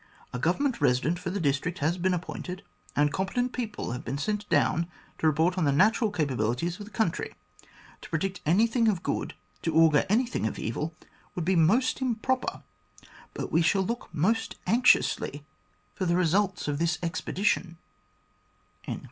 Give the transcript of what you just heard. A Government Resident for the district has been appointed, and competent people have been sent down to report on the natural capabilities of the country. To predict anything of good, to augur anything of evil, would be most improper, but we shall look most anxiously for the results of this expedition."